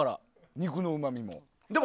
肉のうまみも。